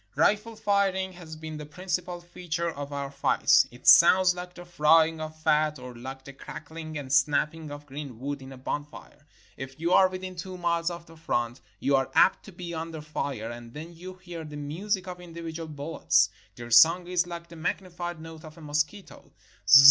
Rifle firing has been the principal feature of our fights. It sounds like the frying of fat, or Hke the crackling and snapping of green wood in a bonfire. If you are within two miles of the front, you are apt to be under fire, and then you hear the music of individual bullets. Their song is like the magnified note of a mosquito.